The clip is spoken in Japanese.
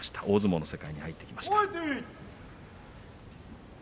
大相撲の世界に入ってきました。